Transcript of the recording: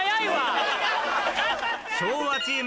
昭和チーム